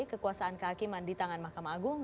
kekuasaan kehakiman di tangan mahkamah agung